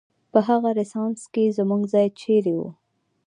په هغه رنسانس کې زموږ ځای چېرې و؟